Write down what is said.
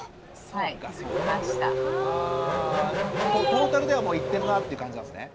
トータルではもういってるなっていう感じなんですね？